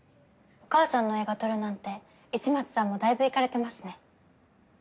お母さんの映画撮るなんて市松さんもだいぶイカれてますね。